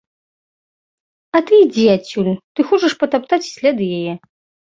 А ты ідзі адсюль, ты хочаш патаптаць сляды яе.